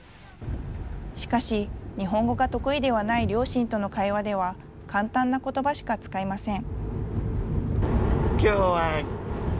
しかし、日本語が得意ではない両親との会話では、簡単なことばしか使いません。